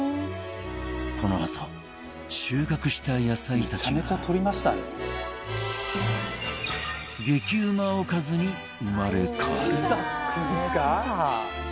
このあと収穫した野菜たちは激うまおかずに生まれ変わる財前：